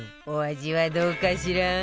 お味はどうかしら？